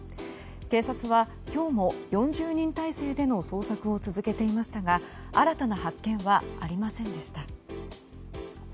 警察は今日も４０人態勢での捜索を続けていましたが新たな発見はありませんでした。